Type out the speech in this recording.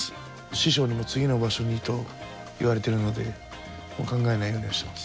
師匠にも次の場所にと言われてるので考えないようにはしてます。